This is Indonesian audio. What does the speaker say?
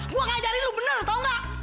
gue ngajarin lo bener tau enggak